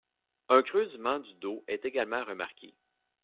Un creusement du dos est également remarqué.